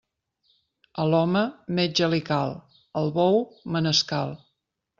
A l'home, metge li cal; al bou, manescal.